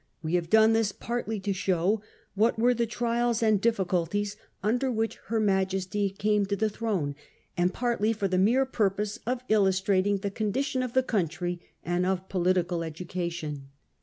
We have done this partly to show what were the trials 1887. IMAGINARY PLOTS. 28 and difficulties under which her Majesty came to the throne, and partly for the mere purpose of illustrating the condition of the country and of political educa tion.